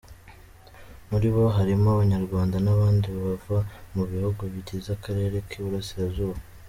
Muri bo harimo Abanyarwanda n’abandi bava mu bihugu bigize akarere k’Iburasirazuba.